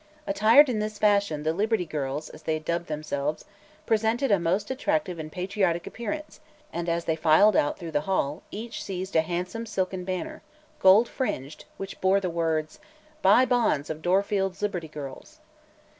Attired in this fashion, the "Liberty Girls," as they had dubbed themselves, presented a most attractive and patriotic appearance, and as they filed out through the hall each seized a handsome silken banner, gold fringed, which bore the words: "Buy Bonds of Dorfield's Liberty Girls."